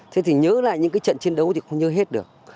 thế thì nhớ lại những cái trận chiến đấu thì không nhớ hết được